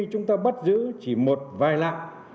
chúng ta bắt giữ chỉ một vài lạ